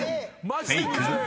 フェイク？］